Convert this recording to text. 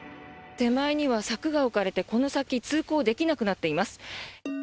手前には柵が置かれてこの先通行できなくなっています。